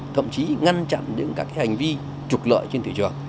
thậm chí ngăn chặn những các hành vi trục lợi trên thị trường